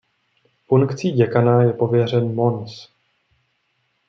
Funkcí děkana je pověřen Mons.